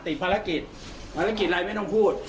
ติดภารกิจภารกิจอะไรไม่ต้องพูด